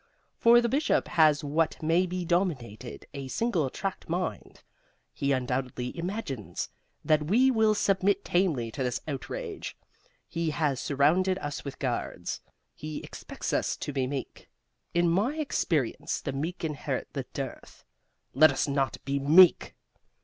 For the Bishop has what may be denominated a single tract mind. He undoubtedly imagines that we will submit tamely to this outrage. He has surrounded us with guards. He expects us to be meek. In my experience, the meek inherit the dearth. Let us not be meek!"